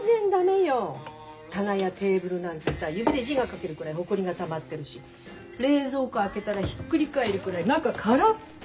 棚やテーブルなんてさ指で字が書けるくらいほこりがたまってるし冷蔵庫開けたらひっくり返るくらい中空っぽ。